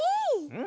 うん。